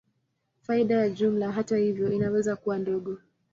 Faida ya jumla, hata hivyo, inaweza kuwa ndogo.